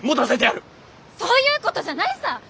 そういうことじゃないさぁ！